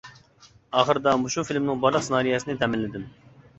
ئاخىرىدا مۇشۇ فىلىمنىڭ بارلىق سېنارىيەسىنى تەمىنلىدىم.